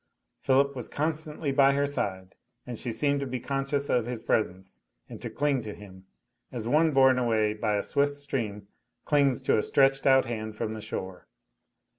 Philip was constantly by her side, and she seemed to be conscious of his presence, and to cling to him, as one borne away by a swift stream clings to a stretched out hand from the shore.